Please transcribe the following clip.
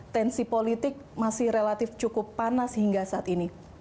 tensi politik masih relatif cukup panas hingga saat ini